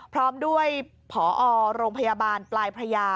พร้อมด้วยผอโรงพยาบาลปลายพระยา